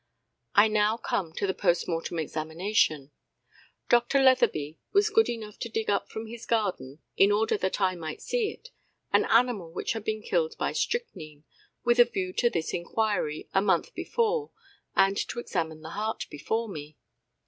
I now come to the post mortem examination. Dr. Letheby was good enough to dig up from his garden, in order that I might see it, an animal which had been killed by strychnine, with a view to this inquiry, a month before, and to examine the heart before me.